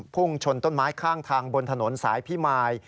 พุ่งชนต้นไม้ข้างทางบนถนนสายพิมาย